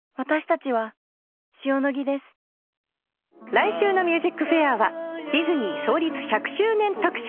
来週の『ＭＵＳＩＣＦＡＩＲ』はディズニー創立１００周年特集。